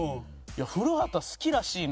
「『古畑』好きらしいね」